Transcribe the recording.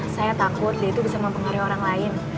saya takut dia itu bisa mempengaruhi orang lain